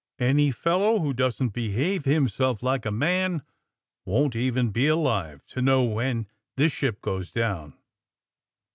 ''Any fellow who doesn't behave himself like a man won 't even be alive to know when this ship goes down